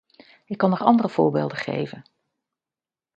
Ik kan nog andere voorbeelden geven.